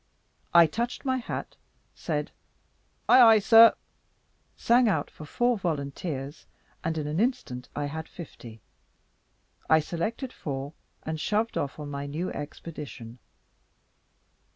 I touched my hat, said, "Ay, ay, sir," sang out for four volunteers, and, in an instant, I had fifty. I selected four, and shoved off on my new expedition.